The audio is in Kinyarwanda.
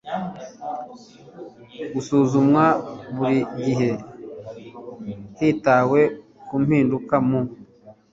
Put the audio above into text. gusuzumwa buri gihe hitawe ku mpinduka mu